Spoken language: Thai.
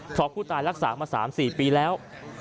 เพราะผู้ตายรักษามา๓๔ปีแล้ว